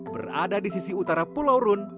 berada di sisi utara pulau rune